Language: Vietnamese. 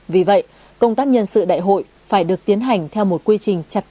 vì vậy công tác nhân sự đại hội phải được tiến hành theo một quy trình chặt chẽ khoa học và nhất quán